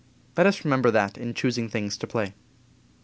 Let us remember that in choosing things to play.